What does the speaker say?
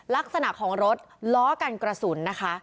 ลักษณะของรถล้อกันกระสุนนะคะ